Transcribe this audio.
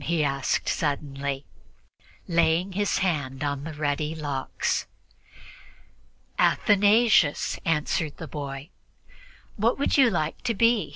he asked suddenly, laying his hand on the ruddy locks. "Athanasius," answered the boy. "What would you like to be?"